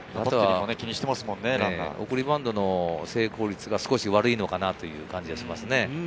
送りバントの成功率が少し悪いのかなっていう感じがしますね。